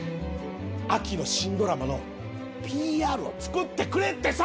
秋の新ドラマのＰＲを作ってくれってさ！